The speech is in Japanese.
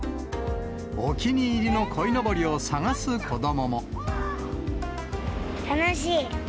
お気に入りのこいのぼりを探楽しい。